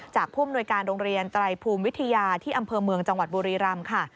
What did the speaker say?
ผู้อำนวยการโรงเรียนไตรภูมิวิทยาที่อำเภอเมืองจังหวัดบุรีรำค่ะ